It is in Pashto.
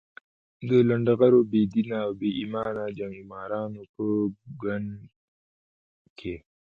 د لنډه غرو، بې دینه او بې ایمانه جنګمارانو په ګند کې.